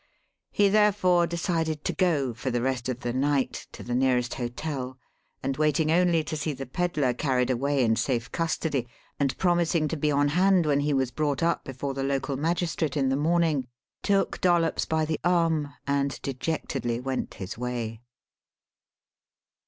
He therefore, decided to go, for the rest of the night, to the nearest hotel; and waiting only to see the pedler carried away in safe custody, and promising to be on hand when he was brought up before the local magistrate in the morning, took Dollops by the arm and dejectedly went his way.